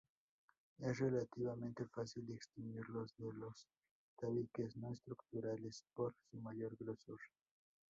Es relativamente fácil distinguirlos de los tabiques no estructurales por su mayor grosor.